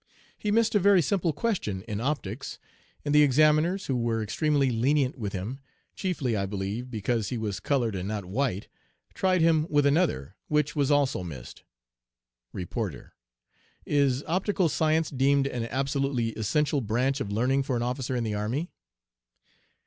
He missed a very simple question in optics, and the examiners, who were extremely lenient with him, chiefly, I believe, because he was colored and not white, tried him with another, which was also missed.' "REPORTER 'Is optical science deemed an absolutely essential branch of learning for an officer in the army?'